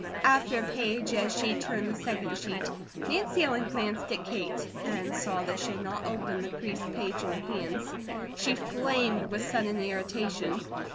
After a page as she turned the second sheet Nancy Ellen glanced at Kate, and saw that she had not opened the creased page in her hands. She flamed with sudden irritation.